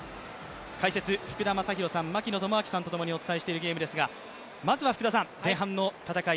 解説、福田正博さん、槙野智章さんと共にお伝えしているゲームですがまずは前半の戦い